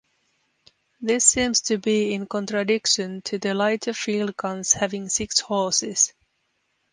This seems to be in contradiction to the lighter field guns having six horses.